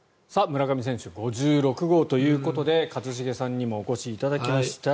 村上選手５６号ということで一茂さんにもお越しいただきました。